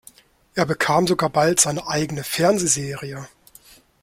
Er bekam sogar bald seine eigene Fernsehserie.